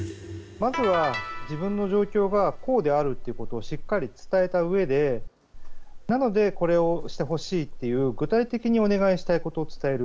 まずは自分の状況がこうであるということをしっかり伝えたうえで、なので、これをしてほしいっていう、具体的にお願いしたいことを伝える。